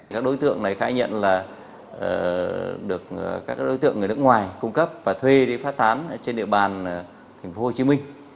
các đối tượng này khai nhận là được các đối tượng người nước ngoài cung cấp và thuê đi phát tán trên địa bàn tp hcm